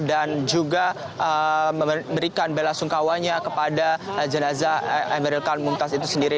dan juga memberikan bela sungkawanya kepada jenazah emelka muntas itu sendiri